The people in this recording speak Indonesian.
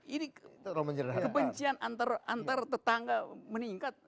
ini kebencian antar tetangga meningkat